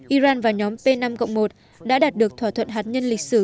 iran và nhóm p năm một đã đạt được thỏa thuận hạt nhân lịch sử